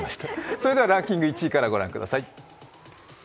それではランキング１位からご覧ください。